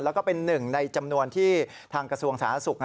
แล้วก็เป็นหนึ่งในจำนวนที่ทางกระทรวงสาธารณสุข